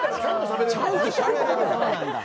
ちゃんとしゃべれるんだ。